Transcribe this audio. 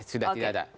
sudah tidak ada